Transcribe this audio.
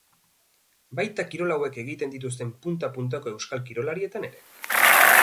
Baita kirol hauek egiten dituzten punta-puntako euskal kirolarietan ere.